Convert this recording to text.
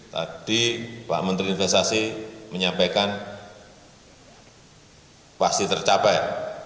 tadi pak menteri investasi menyampaikan pasti tercapai